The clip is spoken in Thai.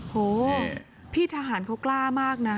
โหพี่ทหารเขากล้ามากนะ